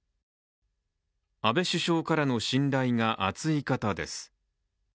安倍首相からの信頼が厚い方です。